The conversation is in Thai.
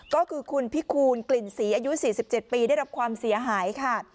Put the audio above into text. ก็คือคุณพิคูณกลิ่นศรีอายุ๔๗ปีได้รับความเสียหายค่ะ